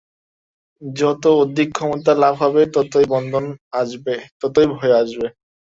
যত অধিক ক্ষমতা-লাভ হবে, ততই বন্ধন আসবে, ততই ভয় আসবে।